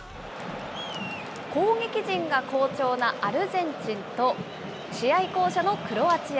攻撃陣が好調なアルゼンチンと、試合巧者のクロアチア。